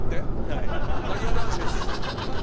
なにわ男子です。